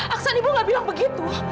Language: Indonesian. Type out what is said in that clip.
aksan ibu gak bilang begitu